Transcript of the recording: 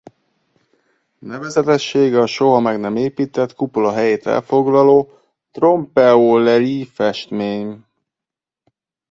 Nevezetessége a soha meg nem épített kupola helyét elfoglaló Trompe-l’oeil festmény.